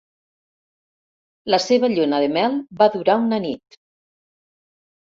La seva lluna de mel va durar una nit.